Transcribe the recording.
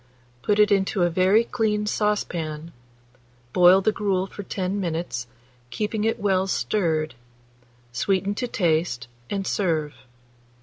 Put it into a very clean saucepan; boil the gruel for 10 minutes, keeping it well stirred; sweeten to taste, and serve.